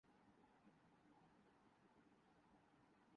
یہ ہماری ذہنی تندرستی کے لئے خطرہ ہوسکتی ہے